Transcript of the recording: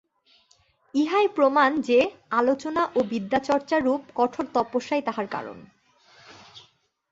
ইহাই প্রমাণ যে, আলোচনা ও বিদ্যাচর্চারূপ কঠোর তপস্যাই তাহার কারণ।